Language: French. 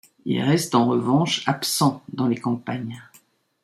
Ils restent, en revanche, absents dans les campagnes.